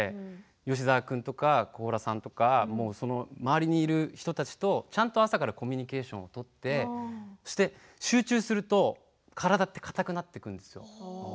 吉沢君とか高良さんとか周りにいる人たちとちゃんと朝からコミュニケーションを取って集中すると体って硬くなってくるんですよ。